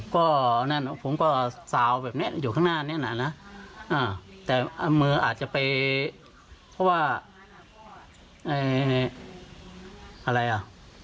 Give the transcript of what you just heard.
ก็นั่นผมก็สาวแบบนี้อยู่ข้างหน้านี้นะแต่มืออาจจะไปเพราะว่าอะไรอ่ะ